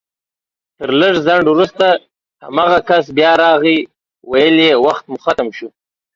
تر لږ ځنډ وروسته هماغه کس بيا راغی ويل يې وخت مو ختم شو